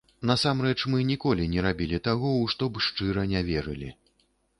Насамрэч, мы ніколі не рабілі таго, у што б шчыра не верылі.